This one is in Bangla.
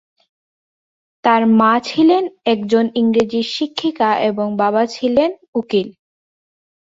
তার মা ছিলেন একজন ইংরেজির শিক্ষিকা এবং তার বাবা ছিলেন উকিল।